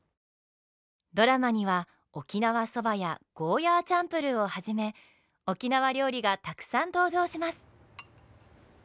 ドラマには沖縄そばやゴーヤーチャンプルーをはじめ沖縄料理がたくさん登場します。